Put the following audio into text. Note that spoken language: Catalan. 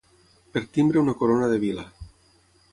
Per timbre una corona de vila.